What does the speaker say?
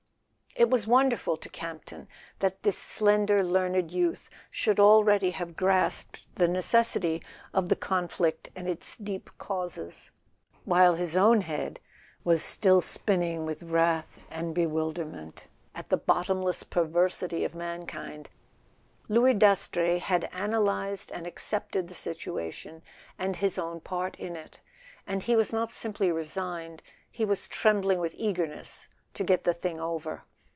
It was wonderful to Campton that this slender learned youth should already have grasped the neces¬ sity of the conflict and its deep causes. While his own head was still spinning with wrath and bewilderment at the bottomless perversity of mankind, Louis Das trey had analyzed and accepted the situation and his own part in it. And he was not simply resigned; he [ 76 ] A SON AT THE FRONT was trembling with eagerness to get the thing over.